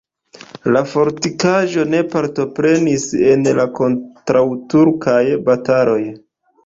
La fortikaĵo ne partoprenis en la kontraŭturkaj bataloj.